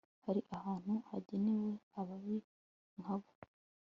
Hari ahantu hagenewe ababi nkabo